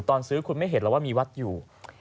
ตอนซื้อคุณไม่เห็นแล้วว่ามีวัดอยู่